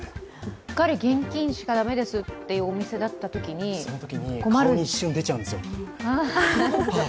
うっかり現金しか駄目ですというお店だったときに、困る顔に一瞬、出ちゃうんですよ。